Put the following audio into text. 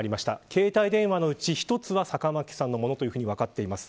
携帯電話のうち１つは坂巻さんのものと分かっています。